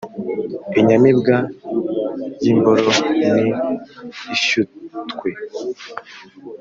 Inyamibwa y’imboro ni ishyutwe.